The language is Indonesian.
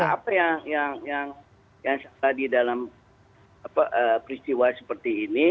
apa yang tadi dalam peristiwa seperti ini